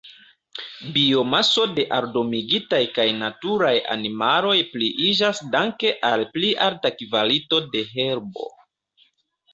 Biomaso de aldomigitaj kaj naturaj animaloj pliiĝas danke al pli alta kvalito de herbo.